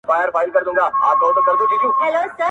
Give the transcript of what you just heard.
تږي شپې مي پی کړې د سبا په سرابونو کي،